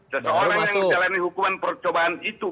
seseorang yang menjalani hukuman percobaan itu